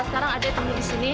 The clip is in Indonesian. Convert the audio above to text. sekarang ada yang tinggal di sini